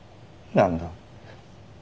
何だ？